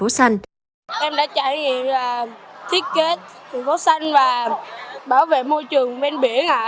em đã trải nghiệm thiết kế tp hcm và bảo vệ môi trường bên biển